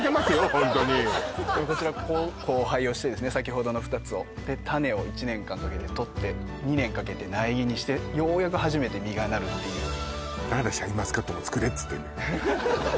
ホントにこちら交配をしてですね先ほどの２つをでタネを１年間かけてとって２年かけて苗木にしてようやく初めて実がなるっていうだからシャインマスカットも作れっつってんだよ